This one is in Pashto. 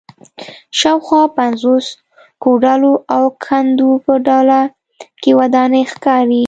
شاوخوا پنځوسو کوډلو او کندو په ډله کې ودانۍ ښکاري